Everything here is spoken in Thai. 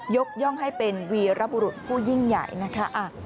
ยกย่องให้เป็นวีรบุรุษผู้ยิ่งใหญ่นะคะ